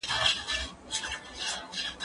دا مڼې له هغه تازه دي؟!